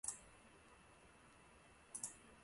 黄绾于是与张璁的矛盾公开化了。